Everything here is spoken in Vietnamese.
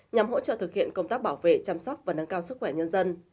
nhằm hỗ trợ thực hiện công tác bảo vệ chăm sóc và nâng cao sức khỏe nhân dân